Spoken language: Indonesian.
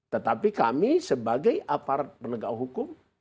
tetapi kami sebagai aparat penegak hukum